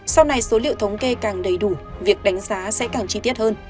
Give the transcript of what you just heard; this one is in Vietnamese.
sau này số liệu thống kê càng đầy đủ việc đánh giá sẽ càng chi tiết hơn